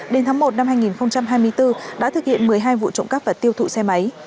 đến tháng một năm hai nghìn hai mươi bốn đã thực hiện một mươi hai vụ trộm cắp và tiêu thụ xe máy